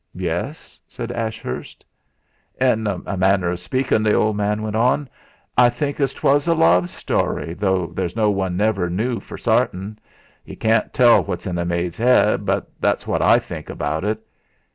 "Yes?" said Ashurst. "In a manner of speakin'," the old man went on, "I think as 'twas a love story though there's no one never knu for zartin. Yu can't tell what's in a maid's 'ead but that's wot I think about it."